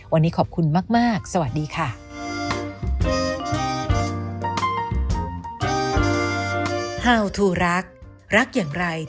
วันนี้ขอบคุณมากสวัสดีค่ะ